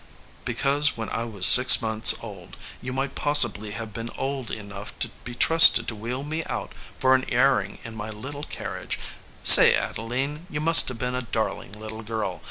"Because when I was six months old, you might possibly have been old enough to be trusted to wheel me out for an airing in my little carriage. Say, Adeline, you must have been a darling little girl.